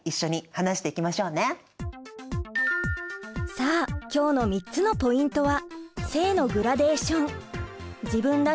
さあ今日の３つのポイントは。